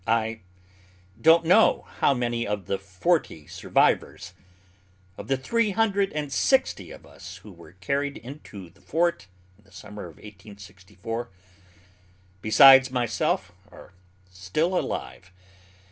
I don't know how many of the forty survivors of the three hundred and sixty of us who were carried into the Fort in the summer of 1864 besides myself are still alive.